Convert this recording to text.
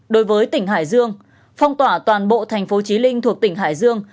một đối với tỉnh hải dương phong tỏa toàn bộ tp chí linh thuộc tỉnh hải dương